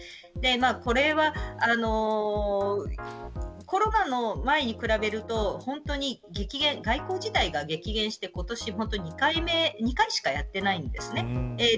これは、コロナの前に比べると外交自体が激減して今年は２回しかやっていないんです。